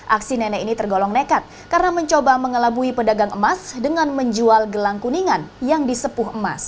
aksi nenek ini tergolong nekat karena mencoba mengelabui pedagang emas dengan menjual gelang kuningan yang disepuh emas